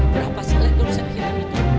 berapa seletur sedikit itu